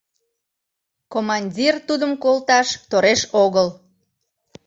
Командир тудым колташ тореш огыл.